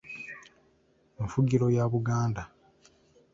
Enfugiro ya Buganda